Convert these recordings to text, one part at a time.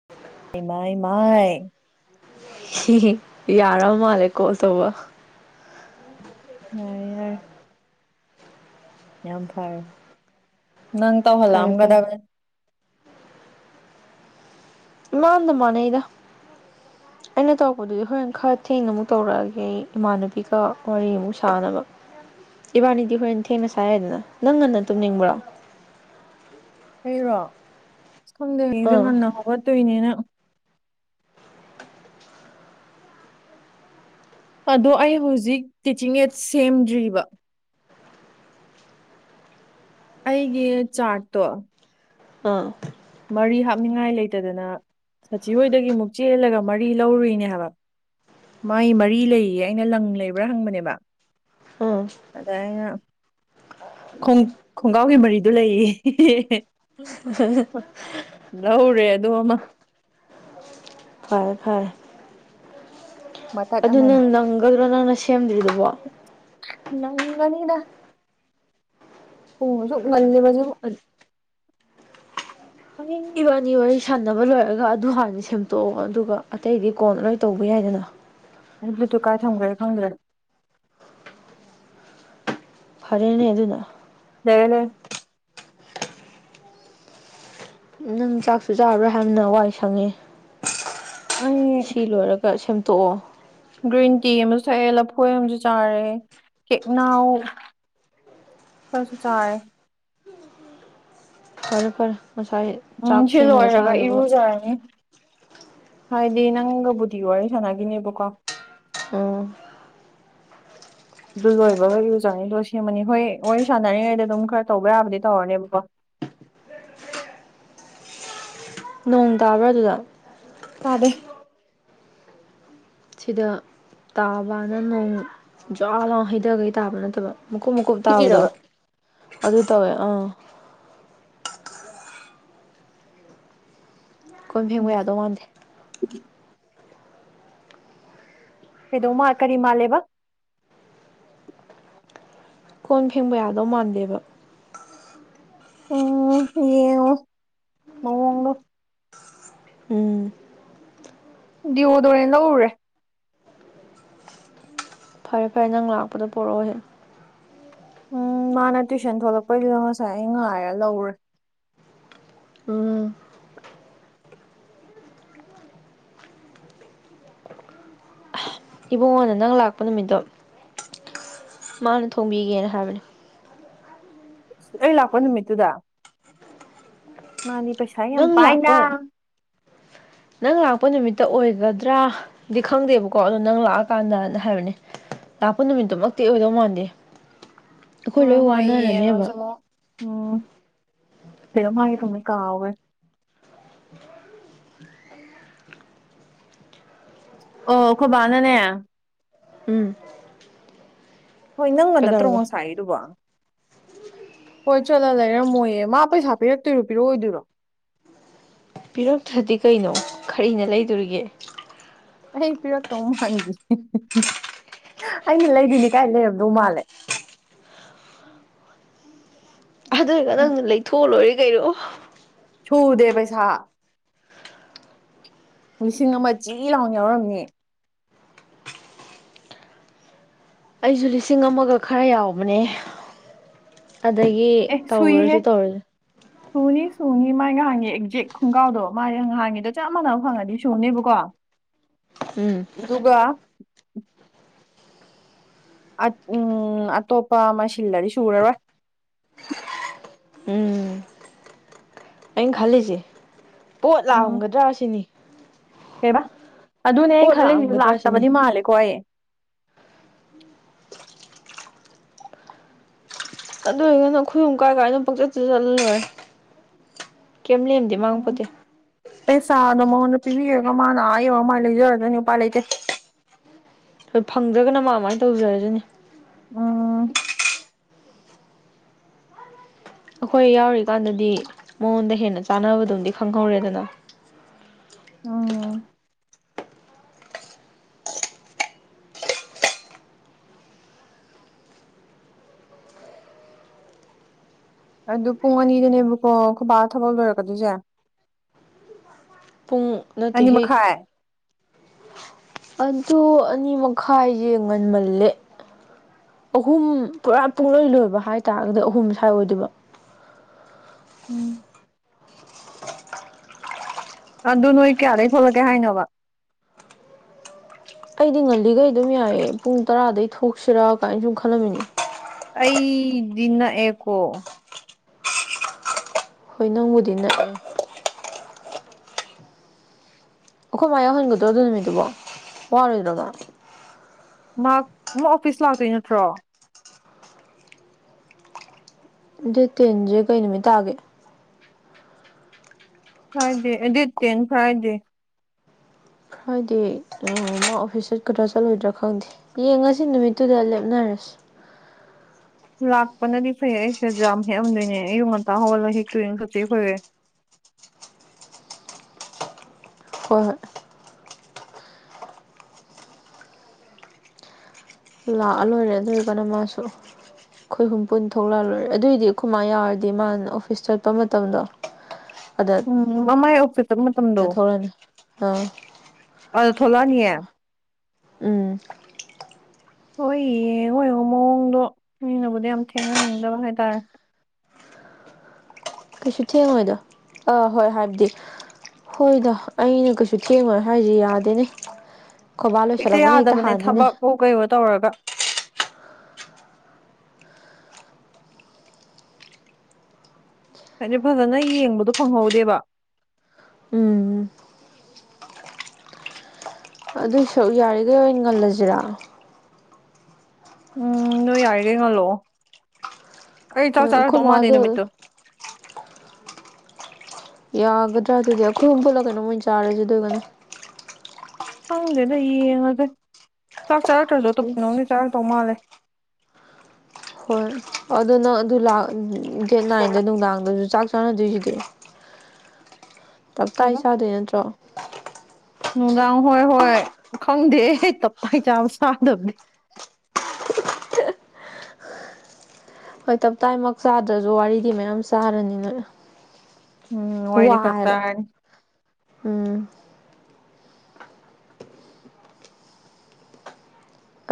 [inaudible] ꯏꯃꯥꯏ ꯃꯥꯏ ꯍꯤ ꯍꯤ ꯌꯥꯔꯥ ꯃꯥꯜꯂ ꯀꯣꯜ ꯇꯧꯕ ꯌꯥꯔꯦ ꯌꯥꯔꯦ ꯌꯥꯝ ꯐꯔꯦ ꯅꯪ ꯐꯔꯦ ꯐꯔꯦ ꯇꯧꯍꯜꯂꯛꯑꯝꯒꯗꯕꯅꯤ ꯏꯃꯥꯟꯗ ꯃꯥꯟꯅꯩꯗꯥ [inaudible] ꯑꯩꯅ ꯇꯧꯔꯛꯄꯗꯨꯗꯤ ꯍꯣꯔꯦꯟ ꯈꯔ ꯊꯦꯡꯅ ꯑꯃꯨꯛ ꯇꯧꯔꯛꯑꯒꯦ ꯑꯩ ꯏꯃꯥꯟꯅꯕꯤꯒ ꯋꯥꯔꯤ ꯑꯃꯨꯛ ꯁꯥꯥꯅꯕ ꯏꯕꯥꯅꯤꯗꯤ ꯍꯣꯔꯦꯟ ꯊꯦꯡꯅ ꯁꯥ ꯌꯥꯏꯗꯅ ꯅꯪ ꯉꯟꯅ ꯇꯨꯝꯅꯤꯡꯕ꯭ꯔꯣ ꯑꯩꯔꯣ ꯑꯁ ꯈꯪꯗꯦ ꯍꯥꯌꯦꯡ ꯁꯦ ꯑꯥ ꯉꯟꯅ ꯍꯧꯒꯠꯇꯣꯏꯅꯤꯅ ꯑꯗꯣ ꯑꯩ ꯍꯧꯖꯤꯛ ꯇꯤꯆꯤꯡ ꯑꯦꯗ ꯁꯦꯝꯗ꯭ꯔꯤꯕ ꯑꯩꯒꯤ ꯆꯥꯔꯠꯇꯣ ꯑꯥ ꯃꯔꯤ ꯍꯥꯞꯅꯤꯡꯉꯥꯏ ꯂꯩꯇꯗꯅ ꯁꯥꯆꯤꯍꯣꯏꯗꯒꯤ ꯑꯃꯨꯛ ꯆꯦꯜꯂꯒ ꯃꯔꯤ ꯂꯧꯔꯨꯏꯅꯦ ꯍꯥꯏꯕ ꯃꯥꯏ ꯃꯔꯤ ꯂꯩꯌꯦ ꯑꯩꯅ ꯂꯪ ꯂꯩꯕ꯭ꯔꯥ ꯍꯪꯕꯅꯦꯕ ꯑꯥ ꯑꯗ ꯑꯩꯅ ꯈꯣꯡ ꯈꯣꯡꯒ꯭ꯔꯥꯎꯒꯤ ꯃꯔꯤꯗꯨ ꯂꯩꯌꯦ ꯍꯦ ꯍꯦ ꯍꯦ ꯎ ꯂꯧꯔꯦ ꯑꯗꯨ ꯑꯃ ꯐꯔꯦ ꯐꯔꯦ ꯃꯇꯠ ꯑꯗꯨ ꯑꯃꯅꯦ ꯅꯪ ꯅꯪꯒꯗ꯭ꯔꯣ ꯅꯪꯅ ꯁꯦꯝꯗ꯭ꯔꯤꯗꯨꯕꯣ ꯅꯪꯅꯤꯗ ꯄꯨꯡ ꯁꯛ ꯉꯜꯂꯤꯕꯁꯨ ꯍꯌꯦꯡ ꯏꯕ ꯑꯅꯤ ꯋꯥꯔꯤ ꯁꯥꯟꯅꯕ ꯂꯣꯏꯔꯒ ꯑꯗꯨ ꯍꯥꯟꯅ ꯁꯦꯝꯗꯣꯛꯑꯣ ꯑꯗꯨꯒ ꯑꯇꯩꯗꯤ ꯀꯣꯟ ꯂꯣꯏ ꯇꯧꯕ ꯌꯥꯏꯗꯅ ꯑꯩꯅ ꯕ꯭ꯂꯨꯠꯇ ꯀꯥꯏ ꯊꯝ꯭ꯔꯦ ꯈꯪꯗ꯭ꯔꯦ ꯐꯔꯦꯅꯦ ꯑꯗꯨꯅ ꯅꯅꯦ ꯅꯪ ꯆꯥꯛꯁꯨ ꯆꯥꯔꯥ ꯌꯥꯝꯅꯋꯥꯏ ꯁꯪꯉꯦ ꯑꯩ ꯁꯤ ꯂꯣꯏꯔꯒ ꯁꯦꯝꯗꯣꯛꯑꯣ ꯒ꯭ꯔꯤꯟ ꯇꯤ ꯑꯃꯁꯨ ꯁꯛꯑꯦ ꯂꯐꯣꯏ ꯑꯃꯁꯨ ꯆꯥꯔꯦ ꯀꯦꯛꯅꯥꯎ ꯐꯁꯁꯨ ꯆꯥꯔꯦ ꯐꯔꯄ ꯃꯁꯥꯏ ꯎꯝ ꯁꯤ ꯂꯣꯏꯔꯒ ꯏꯔꯨꯖꯔꯅꯤ ꯍꯥꯏꯗꯤ ꯅꯪꯒꯕꯨꯗꯤꯒ ꯋꯥꯔꯤ ꯁꯥꯟꯅꯈꯤꯅꯦꯕꯀꯣ ꯑꯣ ꯑꯗꯨ ꯂꯣꯏꯕꯒ ꯌꯨꯖꯔꯅꯤ ꯂꯣꯏ ꯁꯦꯝꯃꯅꯤ ꯍꯣꯏ ꯋꯥꯔꯤ ꯁꯥꯟꯅꯔꯤꯉꯩꯗ ꯑꯗꯨꯝ ꯈꯔ ꯇꯧꯕ ꯌꯥꯕꯗꯤ ꯇꯧꯔꯅꯦꯕꯀꯣ ꯅꯣꯡ ꯇꯥꯕ꯭ꯔꯥ ꯑꯗꯨꯗ ꯇꯥꯗꯦ ꯁꯤꯗ ꯇꯥꯕꯅ ꯅꯣꯡ ꯖꯥ ꯂꯥꯎ ꯍꯩꯊꯈꯩ ꯇꯥꯕ ꯅꯠꯇꯕ ꯃꯀꯨꯞ ꯃꯀꯨꯞ ꯇꯥꯕꯗꯣ ꯍꯤꯞꯄꯤꯔꯕ ꯑꯗꯨ ꯇꯧꯋꯦ ꯑꯥ ꯀꯈꯣꯏꯝ ꯐꯦꯡꯕ ꯌꯥꯗꯧ ꯃꯥꯟꯗꯦ ꯎꯝ ꯀꯩꯗꯧ ꯃꯥ ꯀꯔꯤ ꯃꯥꯜꯂꯦꯕ ꯀꯣꯟ ꯐꯦꯡꯕ ꯌꯥꯗꯧ ꯃꯥꯟꯗꯦꯕ ꯎꯝ ꯌꯦ ꯃ ꯎꯝ ꯗꯤꯌꯗꯣꯔꯦꯅ ꯂꯧꯎꯔꯦ ꯐꯔꯦ ꯐꯔꯦ ꯅꯪ ꯂꯥꯛꯄꯗꯣ ꯄꯣꯔꯛꯑꯣꯍꯦ ꯎꯝ ꯃꯥꯅ ꯇꯨꯏꯁꯟ ꯊꯣꯛꯂꯛꯄꯩꯗꯨꯗ ꯉꯁꯥꯏ ꯑꯩ ꯉꯥꯏꯔ ꯂꯧꯔꯦ ꯎꯝ ꯏꯕꯨꯡꯉꯣꯅ ꯅꯪ ꯂꯥꯛꯄ ꯅꯨꯃꯤꯠꯇꯣ ꯃꯥꯅ ꯊꯣꯡꯕꯤꯒꯦꯅ ꯍꯥꯏꯕꯅꯤ ꯑꯩ ꯂꯥꯛꯄ ꯅꯨꯃꯤꯠꯇꯨꯗ ꯃꯥꯅꯤ ꯄꯩꯁꯥ ꯌꯥꯝ ꯄꯥꯏꯅ ꯄ [inaudible] ꯅꯪ ꯂꯥꯛꯄ ꯅꯨꯃꯤꯠꯇ ꯑꯣꯏꯒꯗ꯭ꯔꯥꯗꯤ ꯈꯪꯗꯦꯕꯀꯣ ꯑꯗꯣ ꯅꯪ ꯂꯥꯛꯑꯀꯥꯟꯗꯅ ꯍꯥꯏꯕꯅꯦ ꯂꯥꯛꯄ ꯅꯨꯃꯤꯠꯇꯨꯃꯛꯇꯤ ꯑꯣꯏꯗꯧ ꯃꯥꯟꯗꯦ ꯑꯩꯈꯣꯏ ꯍꯣꯏ ꯂꯣꯏ ꯍꯣꯏ ꯌꯦꯡꯉꯣ ꯆ ꯋꯥꯅꯔꯅꯦꯕ ꯑꯃꯣ ꯎꯝ ꯁꯤꯔꯣ ꯍꯥꯏꯒꯤ ꯊꯨꯝꯃꯤ ꯀꯥꯎꯋꯋꯦ ꯑꯣꯈꯣꯏ ꯅꯅꯦ ꯎꯝ ꯍꯣꯏ ꯅꯪꯒ ꯅꯠꯇ꯭ꯔꯣ ꯀꯩꯗꯧꯔꯕ ꯉꯁꯥꯏꯗꯨꯕꯣ ꯍꯣꯏ ꯆꯠꯂ ꯂꯩꯔꯝꯃꯣꯏꯌꯦ ꯃꯥ ꯄꯩꯁꯥ ꯄꯤꯔꯛꯇꯣꯏꯔꯣ ꯄꯤꯔꯛꯑꯣꯗꯣꯏꯔꯣ ꯄꯤꯔꯛꯇ꯭ꯔꯗꯤ ꯀꯩꯅꯣ ꯀꯔꯤꯅ ꯂꯩꯗꯣꯔꯤꯒꯦ ꯑꯩ ꯄꯤꯔꯛꯇꯧ ꯃꯥꯥꯟꯗ ꯑꯩꯅ ꯂꯩꯗꯣꯏꯅꯦ ꯀꯥꯏ ꯂꯩꯔꯝꯗꯧ ꯃꯥꯜꯂꯦ ꯑꯗꯣꯏꯒ ꯅꯪꯅ ꯂꯩꯊꯣꯛꯑ ꯂꯣꯏꯔꯦ ꯀꯩꯅꯣ ꯁꯨꯗꯦ ꯄꯩꯁꯥ ꯂꯤꯁꯤꯡ ꯑꯃ ꯆꯤ ꯂꯥꯎꯅ ꯌꯥꯎꯔꯝꯅꯤ ꯑꯩꯁꯨ ꯂꯤꯁꯤꯡ ꯑꯃꯒ ꯈꯔ ꯌꯥꯎꯕꯅꯦ ꯑꯗꯒꯤ ꯑꯦ ꯁꯨꯏꯍꯦ ꯇꯧꯔꯁꯨ ꯇꯧꯔꯁꯦ ꯁꯨꯅꯤ ꯁꯨꯅꯤ ꯃꯥꯥꯏ ꯉꯍꯥꯟꯒꯤ ꯑꯦꯛꯖꯦꯛ ꯈꯣꯡꯒꯥꯎꯗꯣ ꯃꯥꯒꯤ ꯉꯍꯥꯟꯒꯤꯗꯣ ꯆꯞ ꯃꯥꯟꯅꯕ ꯐꯪꯉꯗꯤ ꯁꯨꯅꯦꯕꯀꯣ [inaudible] ꯎꯝ ꯑꯗꯨꯒ ꯎꯝ ꯑꯇꯣꯞꯄ ꯑꯃ ꯁꯤꯜꯂꯗꯤ ꯁꯨꯔꯔꯣꯏ ꯎꯝ ꯑꯩꯅ ꯈꯜꯂꯤꯁꯦ ꯄꯣꯠ ꯂꯥꯛꯑꯝꯒꯗ꯭ꯔꯥ ꯁꯤꯅꯤ ꯀꯦꯕ ꯑꯗꯨꯅꯦ ꯑꯩꯅ ꯄꯣꯠ ꯈꯜꯂꯝꯃꯤꯁꯤ ꯂꯥꯛꯑꯝꯒꯗ꯭ꯔꯥ ꯂꯥꯛꯇꯕꯗꯤ ꯁꯤꯅꯤ ꯃꯥꯜꯂꯦꯀꯣ ꯑꯩ ꯑꯗꯨ ꯑꯣꯏꯔꯒꯅ ꯈꯣꯏꯍꯨꯝ ꯀꯥꯏ ꯀꯥꯏꯅꯣ ꯄꯪꯆꯠ ꯆꯠꯂꯂꯣꯏꯔꯦ ꯀꯦꯝ ꯂꯦꯝꯗꯦ ꯎꯝ ꯃꯥꯡꯄꯣꯠꯇꯦ ꯄꯩꯁꯥꯗꯣ ꯃꯉꯣꯟꯗ ꯄꯤꯕꯤꯔꯒ ꯃꯥꯅ ꯑꯥ ꯌꯧꯔ ꯃꯥꯏ ꯂꯩꯖꯔꯖꯅꯤ ꯎꯄꯥꯏ ꯂꯩꯇꯦ ꯍꯣꯏ ꯐꯪꯗ꯭ꯔꯒꯅ ꯃꯥ ꯑꯗꯨꯃꯥꯏꯅ ꯇꯧꯖꯔꯖꯅꯤ ꯎꯝ ꯑꯩꯈꯣꯏ ꯌꯥꯎꯔꯤꯀꯥꯟꯗꯗꯤ ꯃꯉꯣꯟꯗ ꯍꯦꯟꯅ ꯆꯥꯟꯅꯕꯗꯨꯃꯗꯤ ꯈꯪꯍꯧꯔꯦꯗꯅ ꯑꯣ ꯑꯗꯨ ꯄꯨꯡ ꯑꯅꯤꯗꯅꯦꯕꯀꯣ ꯈꯣꯏ ꯕꯥ ꯊꯕꯛ ꯂꯣꯏꯔꯛꯀꯗꯣꯏꯁꯦ ꯄꯨꯡ ꯑꯅꯤ ꯅꯠꯇꯦꯍꯦ ꯃꯈꯥꯏ ꯑꯗꯨ ꯑꯅꯤ ꯃꯈꯥꯏꯁꯦ ꯉꯟꯃꯜꯂꯦ ꯑꯍꯨꯝ ꯄꯨꯔꯥ ꯄꯨꯡꯂꯣꯏ ꯂꯣꯏꯕ ꯍꯥꯏꯇꯥꯔꯒꯗꯤ ꯑꯍꯨꯝ ꯁ꯭ꯋꯥꯏ ꯑꯣꯏꯗꯣꯏꯕ ꯎꯝ ꯑꯗꯨ ꯅꯣꯏ ꯀꯌꯥꯗꯩꯩ ꯊꯣꯛꯂꯛꯀꯦ ꯍꯥꯏꯅꯣꯕ ꯑꯩꯗꯤ ꯉꯜꯂꯤꯈꯩ ꯑꯗꯨꯝ ꯌꯥꯏꯑ ꯄꯨꯡ ꯇꯔꯥꯗꯩ ꯊꯣꯛꯁꯤꯔꯥ ꯀꯥꯏꯅ ꯁꯨꯝ ꯈꯜꯂꯝꯃꯤꯅꯦ ꯑꯩꯗꯤ ꯅꯛꯑꯦꯀꯣ ꯍꯣꯏ ꯅꯪꯕꯨꯗꯤ ꯅꯛ ꯑꯩꯈꯣꯏ ꯃꯥ ꯌꯥꯎꯍꯟꯒꯗ꯭ꯔꯣ ꯑꯗꯨ ꯅꯨꯃꯤꯠꯇꯨꯕꯣ ꯋꯥꯔꯣꯏꯗ꯭ꯔꯕ ꯃꯍꯥꯛ ꯃꯥ ꯑꯣꯐꯤꯁ ꯂꯥꯛꯇꯣꯏ ꯅꯠꯇ꯭ꯔꯣ ꯗꯦꯠ ꯇꯦꯟꯁꯦ ꯀꯩ ꯅꯨꯃꯤꯠ ꯇꯥꯒꯦ ꯐ꯭ꯔꯥꯏꯗꯦ ꯑ ꯗꯦꯠ ꯇꯦꯟ ꯐ꯭ꯔꯥꯏꯗꯦ ꯐ꯭ꯔꯥꯏꯗꯦ ꯃꯥ ꯑꯣꯐꯤꯁꯠ ꯆꯠꯀꯗ꯭ꯔ ꯆꯠꯂꯣꯏꯗ꯭ꯔꯥ ꯈꯪꯗꯦ ꯌꯦꯡ ꯉꯁꯦ ꯅꯨꯃꯤꯠꯇꯨꯗ ꯂꯦꯞꯅꯔꯁꯤ ꯂꯥꯛꯄꯅꯗꯤ ꯐꯩ ꯑꯩꯁꯦ ꯌꯥꯝ ꯍꯦꯛꯑꯝꯗꯣꯏꯅꯦ ꯑꯌꯨꯛ ꯉꯟꯇꯥ ꯍꯧꯒꯠꯂ ꯍꯦꯛꯇꯣꯏꯑ ꯈꯣꯏꯆꯦ ꯈꯣꯏꯒꯩ ꯍꯣꯏ ꯍꯣꯏ ꯂꯥꯛꯑ ꯂꯣꯏꯔꯦ ꯑꯗꯨ ꯑꯣꯏꯔꯒꯅ ꯃꯥꯁꯨ ꯑꯩꯈꯣꯏ ꯍꯨꯝ ꯄꯨꯟ ꯊꯣꯛꯂꯛꯂꯣꯏꯔꯦ ꯑꯗꯨꯑꯣꯏꯗꯤ ꯑꯩꯈꯣꯏ ꯃꯥ ꯌꯥꯎꯔꯗꯤ ꯃꯥꯅ ꯑꯣꯐꯤꯁ ꯆꯠꯄ ꯃꯇꯝꯗꯣ ꯑꯗ ꯎꯝ ꯃꯃꯥꯏ ꯑꯣꯐꯤꯗ ꯆꯠꯕ ꯃꯇꯝꯗꯣ ꯗ ꯊꯧꯔꯅꯤ ꯑꯥ ꯑꯗ ꯊꯣꯛꯂꯛꯑꯅꯤꯌꯦ ꯎꯝ ꯍꯣꯏꯌꯦ ꯍꯣꯏ [unintelligible] ꯃꯑꯣꯡꯗꯣ ꯃꯤꯅꯕꯨꯗ ꯌꯥꯝ ꯊꯦꯡꯍꯟꯅꯤꯡꯗꯕ ꯍꯥꯏꯇꯥꯔꯦ ꯀꯩꯁꯨ ꯊꯦꯡꯉꯣꯏꯗꯣ ꯑꯥ ꯍꯣꯏ ꯍꯥꯏꯕꯗꯤ ꯍꯣꯏꯗ ꯑꯩꯅ ꯀꯩꯁꯨ ꯊꯦꯡꯉꯣꯏ ꯍꯥꯏꯁ ꯌꯥꯗꯦꯅꯦ ꯈꯣꯕꯥ ꯂꯣꯏꯁꯤꯜꯂꯛꯄꯅ ꯍꯦꯛꯇ ꯍꯥꯟꯅꯤꯅꯦ ꯀꯩꯅꯣ ꯇꯧꯔꯒ ꯍꯥꯏꯗꯤ ꯐꯖꯅ ꯌꯦꯡꯕꯗꯣ ꯐꯪꯍꯧꯗꯦꯕ ꯎꯝ ꯑꯗꯨꯏ ꯁꯔꯨꯛ ꯌꯥꯔꯤꯈꯩ ꯑꯣꯏꯅ ꯉꯜꯂꯁꯤꯔꯥ ꯎꯝ ꯅꯣꯏ ꯌꯥꯔꯤꯈꯩ ꯉꯜꯂꯛꯑꯣ ꯑꯩ ꯆꯥꯛ ꯍꯣꯏ ꯑꯩꯈꯣꯏ ꯆꯥꯔꯛꯇꯧ ꯃꯥꯥꯟꯗꯦ ꯃꯥꯗꯣ ꯅꯨꯃꯤꯠꯇꯣ ꯌꯥꯒꯗ꯭ꯔꯥ ꯑꯗꯨꯗꯤ ꯑꯩꯈꯣꯏ ꯍꯨꯝ ꯄꯨꯜꯂ ꯀꯩꯅꯣꯃ ꯑꯣꯏꯅ ꯆꯥꯔꯁꯦ ꯑꯗꯨ ꯑꯣꯏꯒꯅ ꯈꯪꯗꯦꯗ ꯌꯦꯡꯉꯁꯦ ꯆꯥꯛ ꯆꯥꯔꯛꯇ꯭ꯔꯁꯨ ꯑꯇꯣꯞꯄ ꯀꯩꯅꯣꯝ ꯗꯤ ꯆꯥꯔꯛꯇꯧ ꯃꯥꯜꯂꯦ ꯍꯣꯏ ꯑꯗꯣ ꯅꯪ ꯑꯗꯨ ꯂꯥꯛ ꯗꯦꯠ ꯅꯥꯏꯟꯗ ꯅꯨꯡꯗꯥꯡꯗꯁꯨ ꯆꯥꯛ ꯆꯥꯅꯗꯣꯏꯁꯤꯗꯤ ꯇꯞꯇꯥꯏ ꯀꯩꯕ ꯆꯥꯗꯣꯏ ꯅꯠꯇ꯭ꯔꯣ ꯅꯨꯡꯗꯥꯡ ꯍꯣꯏ ꯍꯣꯏ ꯈꯪꯗꯦꯍꯦ ꯇꯞꯇꯥꯏ ꯆꯥꯕ ꯆꯥꯗꯕꯗꯤ ꯍꯣꯏ ꯇꯞꯇꯥꯥꯏꯃꯛ ꯆꯥꯗ꯭ꯔꯁꯨ ꯋꯥꯔꯤꯗꯤ ꯃꯌꯥꯝ ꯆꯥꯔꯅꯤ ꯅꯣꯏ ꯎꯝ ꯋꯥꯔꯤꯗꯤ ꯋꯥ ꯈꯔ ꯍꯥꯏꯕ ꯆꯥꯔꯅꯤ ꯎꯝ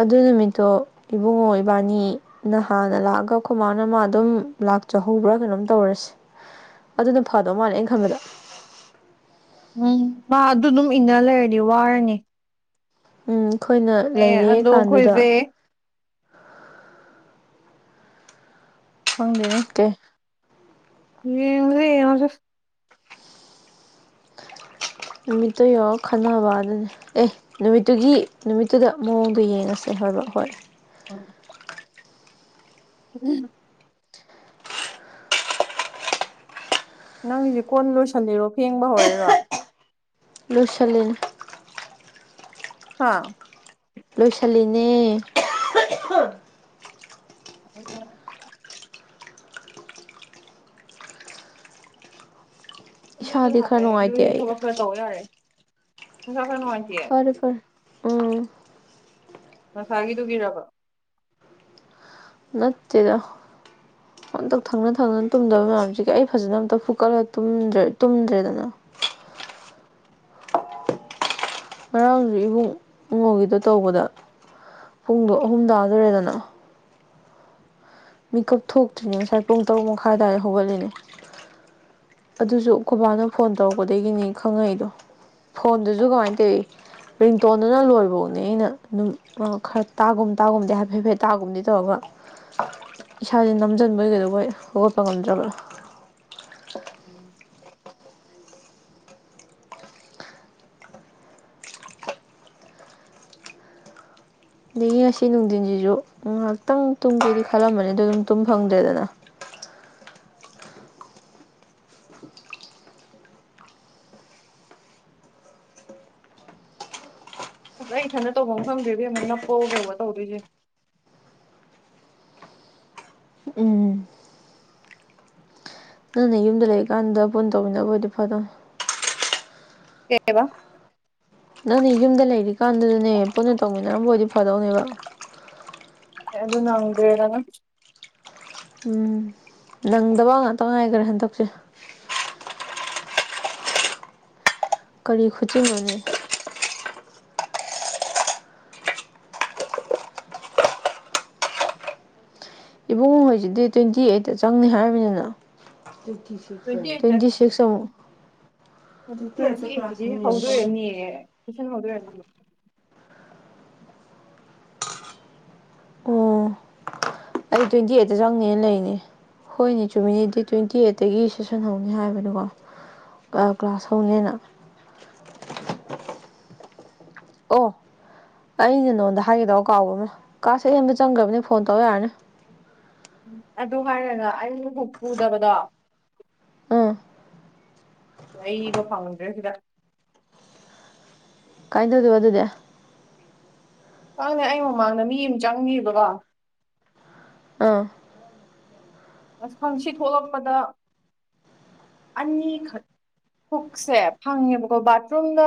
ꯑꯗꯨ ꯅꯨꯃꯤꯠꯇꯣ ꯏꯕꯨꯡꯉꯣ ꯏꯕꯥꯅꯤ ꯅꯍꯥꯟꯅ ꯂꯥꯛꯑꯒ ꯑꯈꯨꯃꯥꯅ ꯃꯥ ꯑꯗꯨꯝ ꯂꯥꯛꯆꯍꯧꯕ꯭ꯔꯥ ꯀꯩꯅꯣꯝ ꯇꯧꯔꯁꯦ ꯑꯗꯨꯅ ꯐꯗꯧ ꯃꯥꯜꯂꯦ ꯑꯩꯅ ꯈꯟꯕꯗ ꯎꯝ ꯃꯥ ꯑꯗꯨ ꯑꯗꯨꯝ ꯏꯟꯅ ꯂꯩꯔꯗꯤ ꯋꯥꯔꯅꯤ ꯎꯝ ꯑꯩꯈꯣꯏꯅ ꯑꯦ ꯂꯩꯔꯦ ꯑꯗꯣ ꯀꯥꯟꯗꯨꯗ ꯑꯩꯈꯣꯏꯁꯦ ꯈꯪꯗꯦꯅꯦ ꯇꯦ ꯌꯦꯡꯉꯁꯤ ꯌꯦꯡꯉꯁꯤ ꯅꯨꯃꯤꯠꯇꯨ ꯌꯧꯔꯒꯥ ꯈꯟꯅꯕꯥꯗꯨꯅꯤ ꯑꯦ ꯅꯨꯃꯤꯠꯇꯨꯒꯤ ꯅꯨꯃꯤꯠꯇꯨꯗ ꯃꯑꯣꯡꯗꯣ ꯌꯦꯡꯉꯁꯦ ꯍꯥꯏꯕ ꯍꯣꯏ [unintelligible] [unintelligible] ꯅꯪꯒꯤꯁꯦ ꯀꯣꯟ ꯂꯣꯏꯁꯜꯂꯤꯔꯣ ꯐꯦꯡꯕ ꯍꯧꯔꯛꯏꯔꯣ ꯂꯣꯏꯁꯜꯂꯤꯅꯦ ꯍꯥ ꯂꯣꯏꯁꯜꯂꯤꯅꯦ [unintelligible] ꯑꯗꯨꯗꯨ ꯏꯁꯥꯗꯤ ꯈꯔ ꯍꯥꯞꯄꯛꯑꯦ ꯅꯨꯡꯉꯥꯏꯇꯦ ꯑꯗꯨꯗꯤ ꯑꯩ ꯊꯕꯛ ꯈꯔ ꯇꯧ ꯌꯥꯔꯦ ꯅꯁꯥ ꯈꯔ ꯅꯨꯡꯉꯥꯏꯇꯦ ꯐꯔꯦ ꯐꯔꯦ ꯎꯝ ꯉꯁꯥꯏꯒꯤꯗꯨꯒꯤꯔꯥꯕ ꯅꯠꯇꯦꯗ [inaudible] ꯍꯟꯇꯛ ꯊꯪꯅ ꯊꯪꯅꯅ ꯇꯨꯝꯗꯕ ꯃꯌꯥꯝꯁꯤꯒ ꯑꯩ ꯐꯖꯅ ꯑꯝꯇ ꯐꯨꯀꯠꯂ ꯇꯨꯝꯗ꯭ꯔꯦ ꯇꯨꯝꯗ꯭ꯔꯦꯗꯅ ꯉꯔꯥꯡꯁꯨ ꯏꯕꯨꯡ ꯉꯣꯒꯤꯗꯣ ꯇꯧꯕꯗ ꯄꯨꯡꯗꯣ ꯑꯍꯨꯝ ꯇꯥꯗꯣꯔꯦꯗꯅ ꯃꯤꯀꯞ ꯊꯣꯛꯇ꯭ꯔꯤꯅꯦ ꯉꯁꯥꯏ ꯄꯨꯡ ꯇꯔꯨꯛ ꯃꯈꯥꯏ ꯑꯗꯥꯏꯗ ꯍꯧꯒꯠꯂꯤꯅꯦ ꯑꯗꯨꯁꯨ ꯑꯈꯣꯏꯕꯥꯅ ꯐꯣꯟ ꯇꯧꯔꯛꯄꯗꯒꯤꯅꯤ ꯈꯪꯉꯛꯏꯗꯣ ꯐꯣꯟꯗꯨꯁꯨ ꯀꯃꯥꯏꯅ ꯇꯧꯏ ꯔꯤꯡꯇꯣꯟꯗꯨꯅ ꯂꯣꯏꯕꯐꯧꯅꯦ ꯑꯩꯅ ꯑꯗꯨꯝ ꯑꯣ ꯈꯔ ꯇꯥꯒꯨꯝ ꯇꯥꯒꯨꯝꯗꯤ ꯍꯥꯏꯐꯦꯠꯐꯦꯠ ꯇꯥꯒꯨꯝꯗꯤ ꯇꯧꯔꯒ ꯏꯁꯥꯁꯦ ꯅꯝꯁꯤꯟꯕꯣꯏ ꯀꯩꯗꯧꯕꯣꯏ ꯍꯧꯒꯠꯄ ꯉꯝꯗ꯭ꯔꯕꯥ [unintelligible] ꯑꯗꯒꯤ ꯉꯁꯤ ꯅꯨꯡꯊꯤꯟꯁꯤꯁꯨ ꯉꯍꯥꯛꯇꯪ ꯇꯨꯝꯒꯦꯗꯤ ꯈꯜꯂꯝꯕꯅꯤ ꯑꯗꯣ ꯑꯗꯨꯝ ꯇꯨꯝ ꯐꯪꯗ꯭ꯔꯦꯗꯅ [inaudible] ꯑꯁ ꯑꯩ ꯏꯊꯟꯗ ꯇꯧꯕꯝ ꯈꯪꯗ꯭ꯔꯦ ꯏꯕꯦꯝꯃꯥ ꯅꯞꯄꯥꯑꯣ ꯀꯩꯑꯣ ꯇꯧꯗꯣꯏꯁꯦ ꯎꯝ ꯅꯪꯅ ꯌꯨꯝꯗ ꯂꯩꯔꯤꯀꯥꯟꯗ ꯄꯨꯟꯅ ꯇꯧꯃꯤꯟꯅꯕ ꯑꯣꯏꯗꯤ ꯐꯥꯗꯧꯅꯤ ꯀꯩ ꯍꯥꯏꯕꯥ ꯅꯪꯅ ꯌꯨꯝꯗ ꯂꯩꯔꯤꯀꯥꯟꯗꯨꯗꯅꯦ ꯄꯨꯟꯅ ꯇꯧꯃꯤꯟꯅꯔꯝꯕ ꯑꯣꯏꯗꯤ ꯐꯗꯧꯅꯦꯕ ꯑꯩ ꯑꯗꯨ ꯅꯪꯗ꯭ꯔꯦꯗꯅ ꯎꯝ ꯅꯪꯗꯕ ꯉꯥꯛꯇ ꯉꯥꯏꯈ꯭ꯔꯦ ꯍꯟꯗꯛꯁꯦ ꯀꯔꯤ ꯈꯨꯆꯤꯟꯅꯣꯅꯦ ꯏꯕꯨꯡꯉꯣꯍꯣꯏꯖꯤ ꯗꯦꯠ ꯇ꯭ꯋꯦꯟꯇꯤ ꯑꯩꯠꯇ ꯆꯪꯅꯤ ꯍꯥꯏꯕꯅꯤꯅ ꯇ꯭ꯋꯦꯟꯇꯤ ꯁꯤꯛꯁ ꯑꯃꯨꯛ ꯇ꯭ꯋꯦꯟꯇꯤ ꯑꯩꯠꯇꯗꯤ ꯍꯧꯗꯣꯏ ꯑꯣꯏꯔꯝꯅꯤꯌꯦ ꯇꯨꯏꯁꯟ ꯍꯧꯗꯣꯏ ꯑꯣꯏꯔꯝꯅꯤ ꯑꯣ [inaudible] ꯑꯩ ꯇ꯭ꯋꯦꯟꯇꯤ ꯑꯩꯠꯇ ꯆꯪꯅꯤꯅ ꯂꯩꯅꯤ ꯍꯣꯏꯅꯦ ꯆꯨꯝꯃꯤꯅꯦ ꯗꯦꯠ ꯇ꯭ꯋꯦꯟꯇꯤ ꯑꯩꯠꯇꯒꯤ ꯁꯦꯁꯟꯍꯧꯅꯤ ꯍꯥꯏꯕꯅꯤꯀꯣ ꯀ꯭ꯂꯥꯁ ꯍꯧꯅꯤꯅ ꯑꯣ ꯑꯩꯅꯦ ꯅꯉꯣꯟꯗ ꯍꯥꯏꯒꯗꯕ ꯀꯥꯎꯕ ꯑꯃ ꯀꯥꯁꯦ ꯑꯦꯟꯕ ꯆꯪꯈ꯭ꯔꯕꯅꯤ ꯐꯣꯟ ꯇꯧꯔ ꯌꯥꯔꯅꯤ ꯎ ꯑꯗꯨ ꯍꯥꯏꯔꯒ ꯑꯩꯕꯨꯨꯛ ꯄꯨꯨꯗꯕꯗꯣ ꯎꯝ ꯂꯩꯕ ꯐꯪꯉꯟꯗ꯭ꯔꯦ ꯁꯤꯗ ꯀꯥꯏꯅꯗꯧꯗꯣꯏꯕ ꯑꯗꯨꯗꯤ ꯈꯪꯗꯦ ꯑꯩ ꯃꯃꯥꯡꯗ ꯃꯤ ꯑꯃ ꯆꯪꯉꯦꯕꯀꯣ ꯑꯥ ꯑꯁ ꯈꯪꯁꯤ ꯊꯣꯛꯂꯛꯄꯗ ꯑꯅꯤꯈꯛ ꯄꯨꯛꯁꯦ ꯐꯪꯉꯦꯕꯀꯣ ꯕꯥꯊꯔꯨꯝꯗ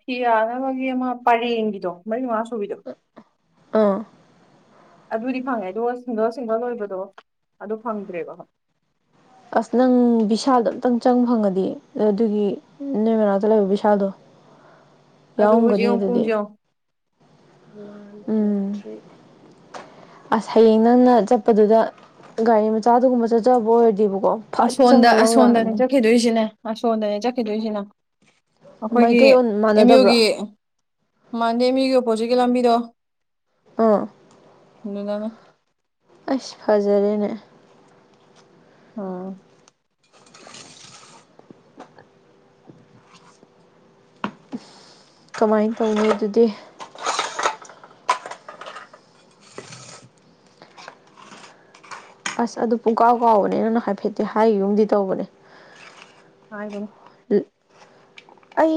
ꯐꯤ ꯌꯥꯅꯕꯒꯤ ꯑꯃ ꯄꯔꯦꯡꯒꯤꯗꯣ ꯃꯔꯤ ꯃꯉꯥ ꯁꯨꯕꯤꯗꯣ ꯑꯥ ꯑꯗꯨꯗꯤ ꯐꯪꯉꯦ ꯑꯗꯨꯒ ꯁꯤꯡꯒꯜ ꯁꯤꯡꯒꯜ ꯑꯣꯏꯕꯗꯣ ꯑꯗꯨ ꯐꯪꯗ꯭ꯔꯦꯕꯣꯏ ꯑꯁ ꯅꯪ ꯕꯤꯚꯤꯁꯥꯜꯗꯣ ꯑꯝꯇꯪ ꯆꯪꯕ ꯐꯪꯉꯗꯤ ꯑꯗꯨꯒꯤ ꯅꯣꯏ ꯃꯅꯥꯛꯇ ꯂꯩꯕ ꯕꯤꯚꯤꯁꯥꯜꯗꯣ ꯑꯗꯨ ꯍꯧꯖꯤꯛ ꯌꯦꯨ ꯌꯥꯎꯔꯝꯒꯅꯤ ꯄꯨꯡ ꯑꯗꯨꯗꯤ ꯆꯣꯛ ꯎꯝ ꯑꯁ ꯍꯌꯦꯡ ꯅꯪꯅ ꯆꯠꯄꯗꯨꯗ ꯒꯥꯔꯤ ꯃꯆꯥꯗꯨꯒꯨꯝꯕ ꯆꯠꯆꯕ ꯑꯣꯏꯔꯗꯤꯕꯀꯣ ꯐꯠ ꯑꯁꯣꯟꯗ ꯆꯪꯉ ꯂꯧ ꯑꯁꯣꯟꯗꯅꯦ ꯌꯥꯔꯕꯅꯦ ꯆꯠꯈꯤꯗꯣꯏꯁꯤꯅꯦ ꯑꯁꯣꯟꯝꯗꯅꯦ ꯆꯠꯈꯤꯗꯣꯏꯁꯤꯅ ꯑꯩꯈꯣꯏꯒꯤ ꯃꯥꯏꯀꯩ ꯑꯦꯝ ꯃꯥꯟꯅꯗꯕ꯭ꯔꯣ ꯌꯨꯒꯤ ꯃꯥꯟꯗ ꯑꯦꯝ ꯌꯨꯒꯤ ꯑꯣꯄꯣꯖꯤꯠꯀꯤ ꯂꯝꯕꯤꯗꯣ ꯑ ꯗꯥꯅꯦ ꯑꯩꯁꯁꯨ ꯐꯖꯔꯦꯅꯦ ꯑ ꯀꯃꯥꯏꯅ ꯇꯧꯅꯤ ꯑꯗꯨꯗꯤ ꯑꯁ ꯑꯗꯨ ꯄꯨꯡꯀꯥꯎ ꯀꯥꯎꯕꯅꯦ ꯅꯪ ꯍꯥꯏꯐꯦꯠꯇꯤ ꯍꯥꯏꯈꯤꯕ ꯌꯨꯝꯗꯤ ꯇꯧꯕꯅꯦ ꯍꯥꯏꯅꯦ ꯑꯩ